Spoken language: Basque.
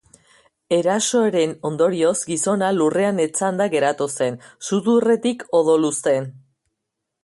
Erasoaren ondorioz, gizona lurrean etzanda geratu zen, sudurretik odoluzten.